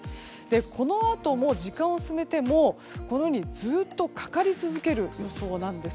このあとも時間を進めてもこのようにずっとかかりつづける予想なんです。